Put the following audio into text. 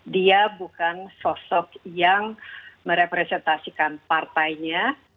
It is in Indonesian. dia bukan sosok yang merepresentasikan partainya